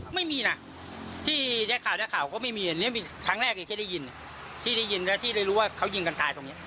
ไม่มีนะที่ได้ข่าวก็ไม่มีทั้งแรกก็ได้ยินที่ได้ยินแล้วที่ได้รู้ว่าเขายิงกันตายตรงนี้